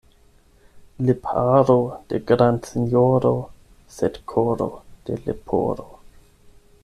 Lipharo de grandsinjoro, sed koro de leporo.